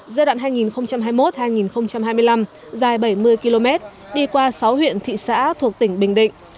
giai đoạn hai nghìn hai mươi một hai nghìn hai mươi năm dài bảy mươi km đi qua sáu huyện thị xã thuộc tỉnh bình định